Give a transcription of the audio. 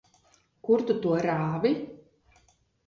Kur tu to rāvi?